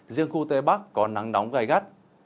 riêng khu tây bắc có nắng nóng gai gắt